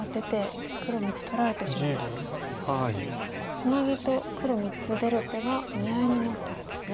ツナギと黒３つ出る手が見合いになってるんですね。